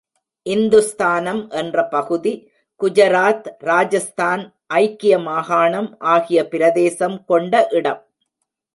இந்துஸ்தானம் என்ற பகுதி, குஜராத், இராஜஸ்தான், ஐக்கிய மாகாணம் ஆகிய பிரதேசம் கொண்ட இடம்.